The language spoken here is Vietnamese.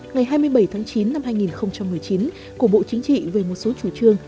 ngày hai mươi bảy tháng chín năm hai nghìn một mươi chín của bộ chính trị về một số chủ trương